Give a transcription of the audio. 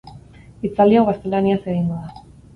Hitzaldi hau gaztelaniaz egingo da.